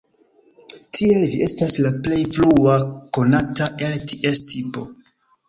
Tiele ĝi estas la plej frua konata el ties tipo.